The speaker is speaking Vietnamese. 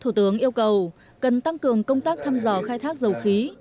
thủ tướng yêu cầu cần tăng cường công tác thăm dò khai thác dầu khí